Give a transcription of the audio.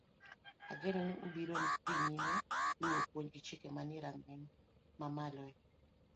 Ageno ni ubiro dhi nyime luwo puonj gi chike manie rang'iny mamalo e